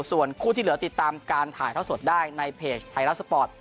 ส่วนคู่ที่เหลือติดตามการถ่ายเท่าสดได้ในเพจไทยรัฐสปอร์ต